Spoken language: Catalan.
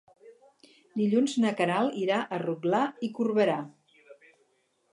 Dilluns na Queralt irà a Rotglà i Corberà.